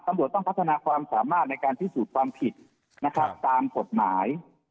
ตำรวจต้องพัฒนาความสามารถในการพิสูจน์ความผิดนะครับตามกฎหมาย